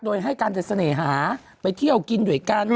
โดยให้การแต่เสน่หาไปเที่ยวกินด้วยกัน